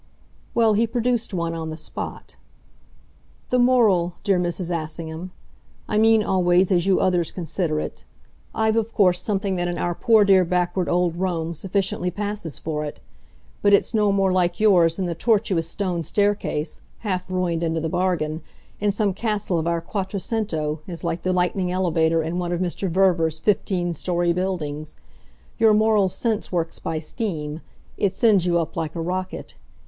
Well, he produced one on the spot. "The moral, dear Mrs. Assingham. I mean, always, as you others consider it. I've of course something that in our poor dear backward old Rome sufficiently passes for it. But it's no more like yours than the tortuous stone staircase half ruined into the bargain! in some castle of our quattrocento is like the `lightning elevator' in one of Mr. Verver's fifteen storey buildings. Your moral sense works by steam it sends you up like a rocket.